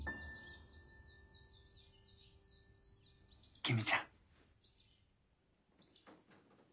公ちゃん。